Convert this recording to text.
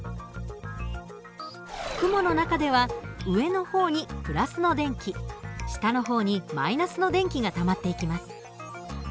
雲の中では上の方に＋の電気下の方に−の電気がたまっていきます。